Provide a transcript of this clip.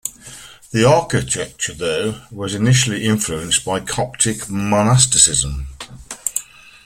The architecture though was initially influenced by Coptic monasticism.